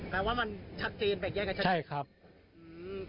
แปลว่ามันชัดเจนแบบนี้กันใช่ไหมครับใช่ครับ